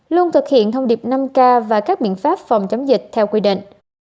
luôn thực hiện thông điệp năm k và các biện pháp phòng chống dịch theo quy định